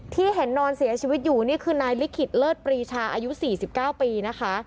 ที่เห็นนอนเสียชีวิตอยู่นี่คือนายลิขิตเลิศปรีชาอายุ๔๙ปีนะคะ